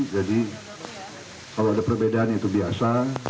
jadi kalau ada perbedaan itu biasa